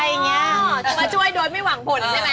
เขาก็เคยเป็นเด็กเสิร์ฟ